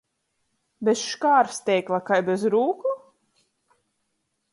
Bez škārsteikla kai bez rūku?